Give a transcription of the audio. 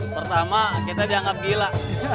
pertama kita dianggap gila